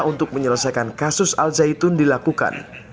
untuk menyelesaikan kasus al zaitun di lakukan